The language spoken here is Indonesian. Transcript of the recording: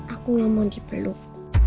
aku enggak mau dipeluk